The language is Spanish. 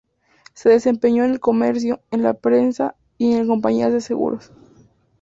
Se desempeñó en el comercio, en la prensa y en compañías de seguros.